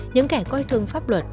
những kẻ coi thường pháp luật